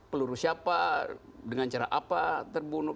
peluru siapa dengan cara apa terbunuh